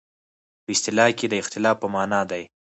په اصطلاح کې د اختلاف په معنی ده.